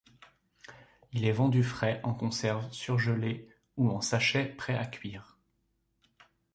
Il est vendu frais, en conserve, surgelé, ou en sachets prêts à cuire.